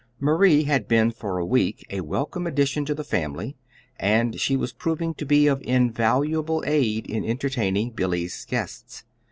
Marie had been for a week a welcome addition to the family, and she was proving to be of invaluable aid in entertaining Billy's guests.